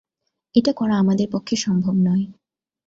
এটা করা আমাদের পক্ষে সম্ভব নয়।